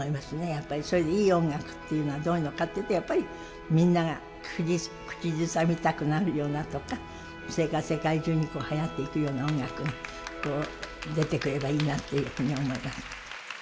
やっぱりいい音楽っていうのはどういうのかというと、みんなが口ずさみたくなるようなとかそれが世界中にはやっていくような音楽が出てくればいいなっていうふうに思います。